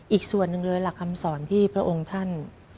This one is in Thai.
อีกส่วนหนึ่งเลยหลักคำสอนที่พระองค์ท่าน